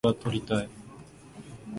いよいよ天城峠が近づいたと思うころ